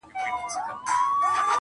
چي په تېښته کي چالاک لکه ماهى وو.!